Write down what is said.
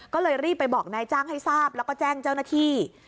ก็เลยรีบไปบอกนายจ้างให้ทราบแล้วก็แจ้งเจ้าหน้าที่